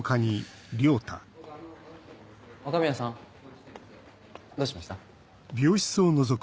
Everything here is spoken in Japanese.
若宮さんどうしました？